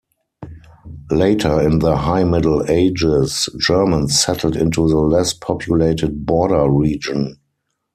Later in the High Middle Ages Germans settled into the less populated border region.